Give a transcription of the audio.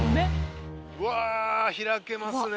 うわ開けますね。